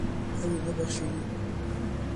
Ew ê nebexşînin.